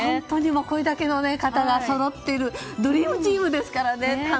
これだけの方がそろっているドリームチームですからね。